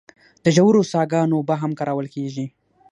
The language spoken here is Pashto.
د ژورو څاګانو اوبه هم کارول کیږي.